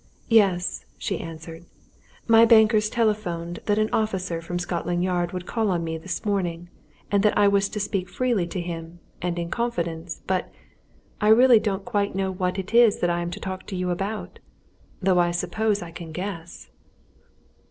"Yes," she answered, "my bankers telephoned that an officer from Scotland Yard would call on me this morning, and that I was to speak freely to him, and in confidence, but I really don't quite know what it is that I'm to talk to you about, though I suppose I can guess."